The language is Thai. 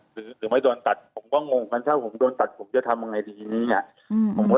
ผู้ถูกโดนเกษตรกรก็แบบขึ้นเลยจริงเลยที่โดนส่งกันมาส่งมา๒วัน